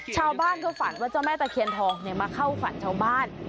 ชาวบ้านเขาฝันว่าเจ้าแม่ตะเคียนทองมาเข้าฝันชาวบ้าน